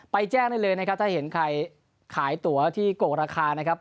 แจ้งได้เลยนะครับถ้าเห็นใครขายตัวที่โกะราคานะครับ